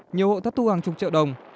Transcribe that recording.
nhiều hộ thất thu hàng chục triệu đồng